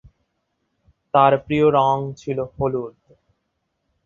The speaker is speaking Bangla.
তার প্রিয় রং ছিল হলুদ।